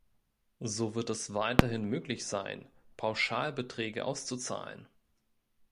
So wird es weiterhin möglich sein, Pauschalbeträge auszuzahlen.